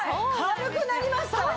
軽くなりました。